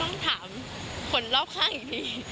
ต้องถามคนรอบข้างอีกที